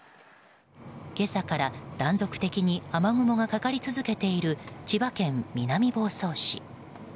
今朝から断続的に雨雲がかかり続けている千葉県南房総市。